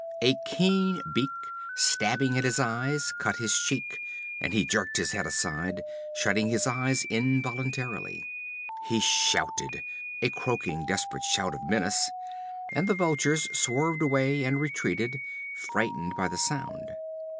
A keen beak, stabbing at his eyes, cut his cheek, and he jerked his head aside, shutting his eyes involuntarily. He shouted, a croaking, desperate shout of menace, and the vultures swerved away and retreated, frightened by the sound.